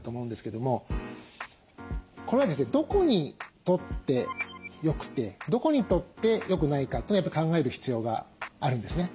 どこにとって良くてどこにとって良くないかというのをやっぱり考える必要があるんですね。